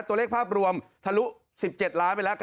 ตัวเลขภาพรวมทะลุ๑๗ล้านไปแล้ว